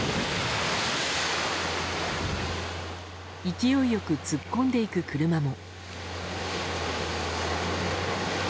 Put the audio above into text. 勢いよく突っ込んでいく車も。